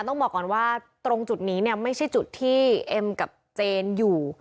ต้องบอกก่อนว่าตรงจุดนี้เนี่ยไม่ใช่จุดที่เอ็มกับเจนอยู่